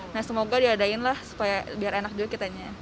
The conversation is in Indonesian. nah semoga diadain lah supaya biar enak juga kitanya